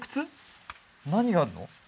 何があるの？